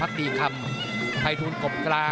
นักมวยจอมคำหวังเว่เลยนะครับ